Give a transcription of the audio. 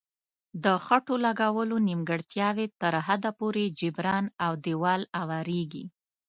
د خښتو لګولو نیمګړتیاوې تر حده پورې جبران او دېوال اواریږي.